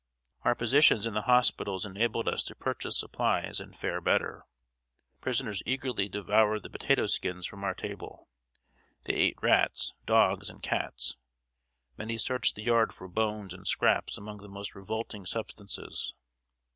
Our positions in the hospitals enabled us to purchase supplies and fare better. Prisoners eagerly devoured the potato skins from our table. They ate rats, dogs, and cats. Many searched the yard for bones and scraps among the most revolting substances.